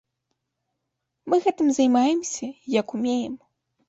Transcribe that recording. Мы гэтым займаемся, як умеем.